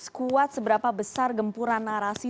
seberapa kuat seberapa besar gempuran narasi